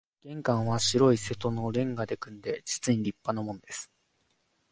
玄関は白い瀬戸の煉瓦で組んで、実に立派なもんです